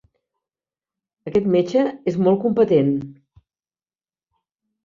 Aquest metge és molt competent.